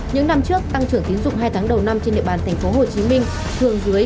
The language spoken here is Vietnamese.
những năm trước tăng trưởng tiến dụng hai tháng đầu năm trên địa bàn tp hcm thường dưới một